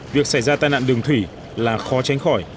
việc xảy ra tai nạn đường thủy là khó tránh khỏi